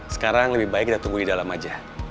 sekarang lebih baik kita tunggu di dalam aja